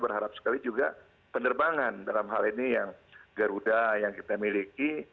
berharap sekali juga penerbangan dalam hal ini yang garuda yang kita miliki